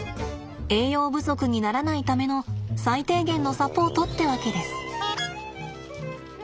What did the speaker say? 栄養不足にならないための最低限のサポートってわけです。